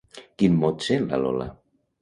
Quin mot sent la Lola?